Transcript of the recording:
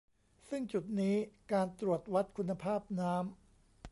ซึ่งจุดนี้การตรวจวัดคุณภาพน้ำ